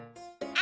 あ。